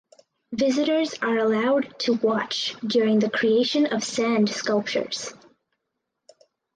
Visitors are allowed to watch during the creation of sand sculptures.